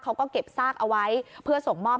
เขาก็เก็บซากเอาไว้เพื่อส่งมอบ